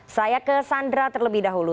saya ke sandra terlebih dahulu